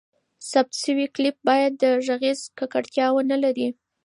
ثبت شوی کلیپ باید ږغیزه ککړتیا ونه لري.